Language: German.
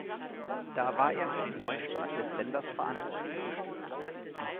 Da war er für den Neustart des Senders verantwortlich.